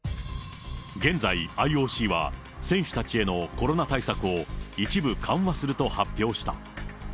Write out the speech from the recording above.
現在、ＩＯＣは選手たちへのコロナ対策を一部緩和すると発表した。